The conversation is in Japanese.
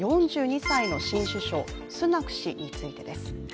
４２歳の新首相・スナク氏についてです。